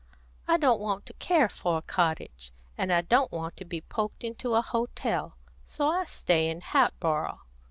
I don't want the care of a cottage, and I don't want to be poked into a hotel, so I stay in Hatboro'."